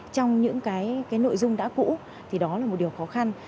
trong những cái nội dung đã cũ thì đó là một điều khó khăn